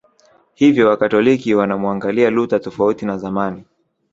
Hivyo Wakatoliki wanamuangalia Luther tofauti na zamani